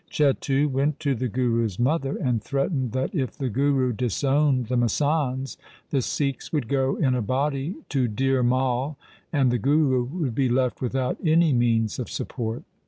Chetu went to the Guru's mother, and threatened that if the Guru disowned the masands, the Sikhs would go in a body to Dhir Mai, and the Guru would be left without any means of support.